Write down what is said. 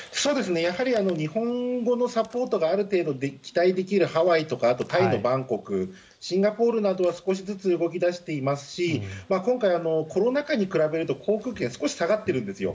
日本語のサポートがある程度、期待できるハワイとかあとタイのバンコクシンガポールなどは少しずつ動き出していますし今回、コロナ禍に比べると航空券が少し下がっているんですよ。